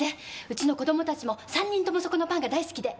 うちの子供たちも３人ともそこのパンが大好きで。